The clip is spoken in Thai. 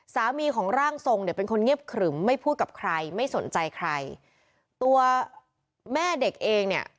สามีของร่างทรงเนี่ยเป็นคนเงียบขรึมไม่พูดกับใครไม่สนใจใครตัวแม่เด็กเองเนี่ย